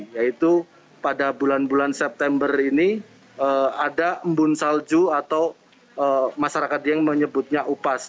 yaitu pada bulan bulan september ini ada embun salju atau masyarakat dieng menyebutnya upas